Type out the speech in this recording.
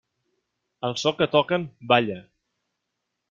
Al so que toquen, balla.